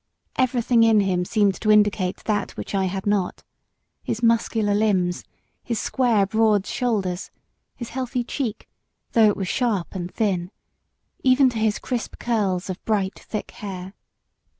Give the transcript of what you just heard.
Everything in him seemed to indicate that which I had not: his muscular limbs, his square, broad shoulders, his healthy cheek, though it was sharp and thin even to his crisp curls of bright thick hair.